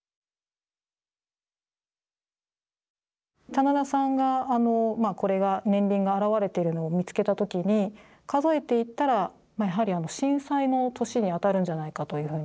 棚田さんがこれが年輪が現れてるのを見つけた時に数えていったらやはり震災の年にあたるんじゃないかというふうに。